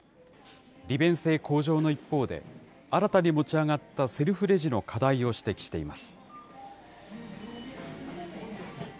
利便性向上の一方で、新たに持ち上がったセルフレジの課題を指摘しています。